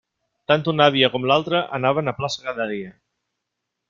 Tant una àvia com l'altra anaven a plaça cada dia.